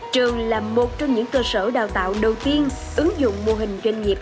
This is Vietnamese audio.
trường là một trong những cơ sở đào tạo đầu tiên ứng dụng mô hình doanh nghiệp